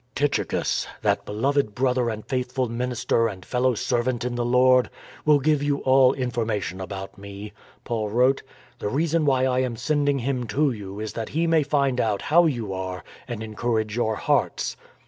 " Tychicus, that beloved brother and faithful min ister and fellow servant in the Lord, will give you all information about me," Paul wrote. " The reason why I am sending him to you is that he may find out how you are and encourage your hearts.